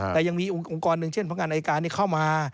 แต่ยังมีองค์กรหนึ่งเช่นพนักงานอายการเข้ามา